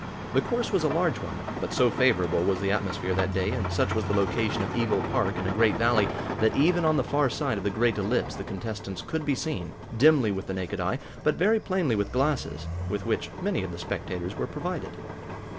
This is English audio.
The course was a large one, but so favorable was the atmosphere that day, and such was the location of Eagle Park in a great valley, that even on the far side of the great ellipse the contestants could be seen, dimly with the naked eye, but very plainly with glasses, with which many of the spectators were provided.